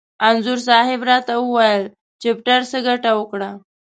انځور صاحب را ته وویل: چپټر څه ګټه وکړه؟